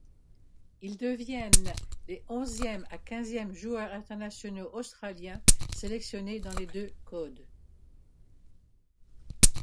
Ils deviennent les onzième à quinzième joueurs internationaux australiens sélectionnés dans les deux codes.